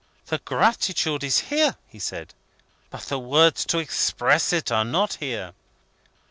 "The gratitude is here," he said. "But the words to express it are not here."